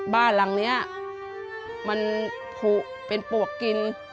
บ้านหลังนี้มันผูกเป็นปวกกิน